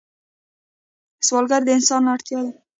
سوالګر د انسان اړتیا ده